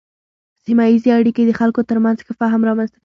سیمه ایزې اړیکې د خلکو ترمنځ ښه فهم رامنځته کوي.